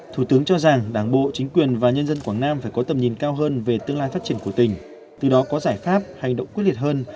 thủ tướng cho rằng đảng bộ chính quyền và nhân dân quảng nam phải có tầm nhìn cao hơn về tương lai phát triển của tỉnh từ đó có giải pháp hành động quyết liệt hơn